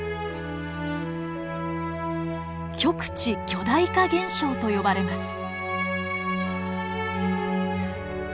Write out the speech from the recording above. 極地巨大化現象と呼ばれます。